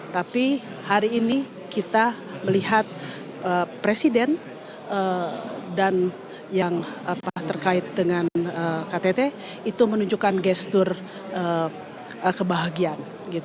tapi hari ini kita melihat presiden dan yang terkait dengan ktt itu menunjukkan gestur kebahagiaan